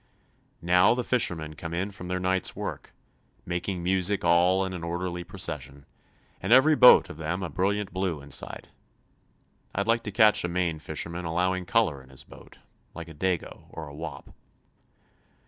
Now the fishermen come in from their night's work, making music all in an orderly procession, and every boat of them a brilliant blue inside. I'd like to catch a Maine fisherman allowing color in his boat, like a "dago" or a "wop."